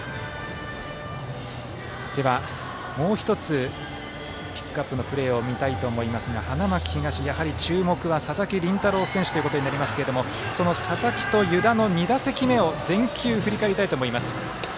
もう１つピックアップのプレーを見たいと思いますが花巻東、やはり注目は佐々木麟太郎選手となりますがその佐々木と、湯田の２打席目を全球振り返りたいと思います。